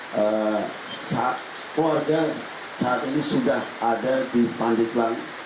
keluarga saat ini sudah ada di pandit plan